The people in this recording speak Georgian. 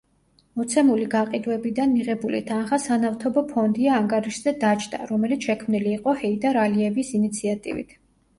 მოცემული გაყიდვებიდან მიღებული თანხა სანავთობო ფონდია ანგარიშზე დაჯდა, რომელიც შექმნილი იყო ჰეიდარ ალიევის ინიციატივით.